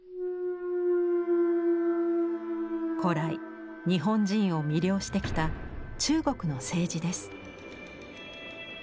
古来日本人を魅了してきた中国の青磁です。